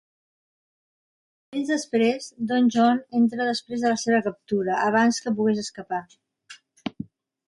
Moments després, Don John entra després de la seva captura, abans que pogués escapar.